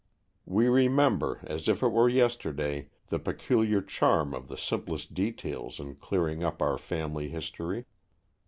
We remember, as if it were yesterday, the peculiar charm of the simplest details in clearing up our family history.